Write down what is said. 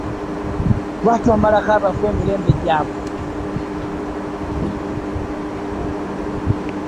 Lwaki omalako abaffu emirembe gyaabwe ?